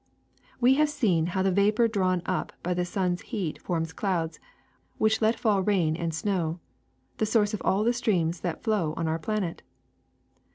^^We have seen how the vapor drawn up by the sun^s heat forms clouds, which let fall rain and snow, the source of all the streams that flow on our planet.